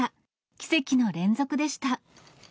奇跡の連続でした。